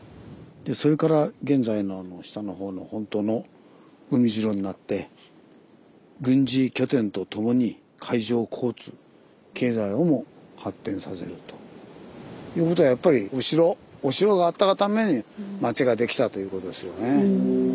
それから現在のあの下のほうの本当の海城になって軍事拠点とともに海上交通経済をも発展させると。ということはやっぱりお城があったがために町ができたということですよね。